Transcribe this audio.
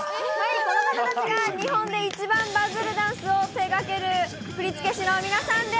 この方たちが日本で一番バズるダンスを手がける振付師の皆さんです。